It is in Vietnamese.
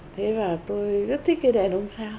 thế và tôi rất thích cái đèn ôm sao